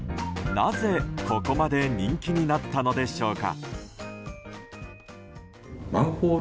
なぜ、ここまで人気になったのでしょうか。